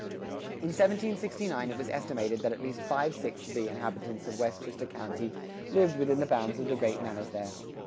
In 1769 it was estimated that at least five sixths of the inhabitants of Westchester County lived within the bounds of the great manors there.